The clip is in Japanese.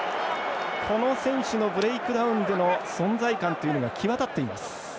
この選手のブレイクダウンでの存在感が際立っています。